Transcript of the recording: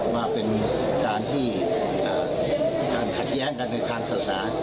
ว่าเป็นการที่การขัดแย้งกันในทางศาสนา